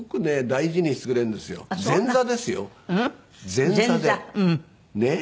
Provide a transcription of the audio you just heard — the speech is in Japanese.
前座でねえ。